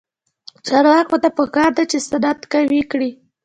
چارواکو ته پکار ده چې، صنعت قوي کړي.